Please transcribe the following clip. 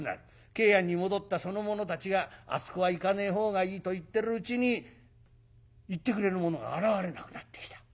桂庵に戻ったその者たちがあそこは行かねえほうがいいと言ってるうちに行ってくれる者が現れなくなってきた。